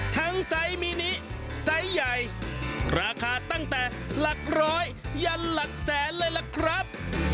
ไซส์มินิไซส์ใหญ่ราคาตั้งแต่หลักร้อยยันหลักแสนเลยล่ะครับ